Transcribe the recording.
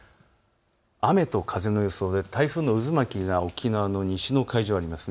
雨と風の予想、台風の渦巻きが沖縄の西の海上にあります。